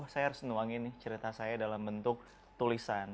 saya harus nuangin cerita saya dalam bentuk tulisan